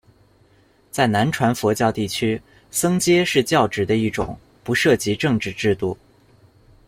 在南传佛教地区，僧阶是教职的一种，不涉及政治制度。